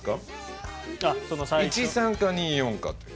１・３か２・４かという。